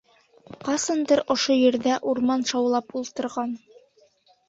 Ҡасандыр ошо ерҙә урман шаулап ултырған.